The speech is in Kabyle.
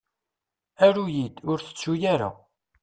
Aru-yi-d, ur tettuy ara!